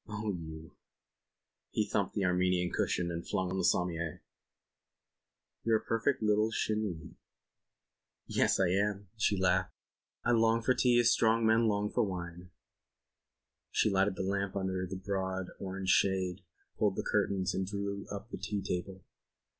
"Oh, you." He thumped the Armenian cushion and flung on to the sommier. "You're a perfect little Chinee." "Yes, I am," she laughed. "I long for tea as strong men long for wine." She lighted the lamp under its broad orange shade, pulled the curtains and drew up the tea table.